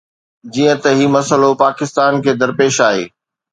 جيئن ته هي مسئلو پاڪستان کي درپيش آهي.